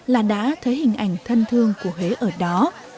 là đã thấy hình ảnh thân thương của huế ở đó